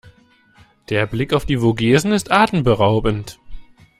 Der Blick auf die Vogesen ist atemberaubend.